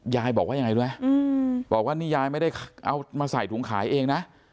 ยายบอกว่ายังไงรู้ไหมบอกว่านี่ยายไม่ได้เอามาใส่ถุงขายเองนะ